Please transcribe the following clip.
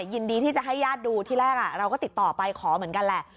ยินดีที่จะให้ญาติดูที่แรกเราก็ติดต่อไปขอเหมือนกันแหละ